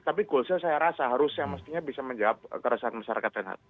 tapi goalsnya saya rasa harusnya mestinya bisa menjawab keresahan masyarakat tnh